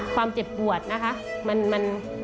ความเจ็บปวดนะคะ